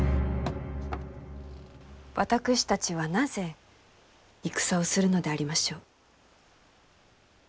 私たちはなぜ戦をするのでありましょう？